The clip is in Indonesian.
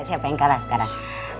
siapa yang kalah sekarang